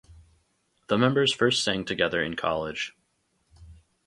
The members first sang together in college.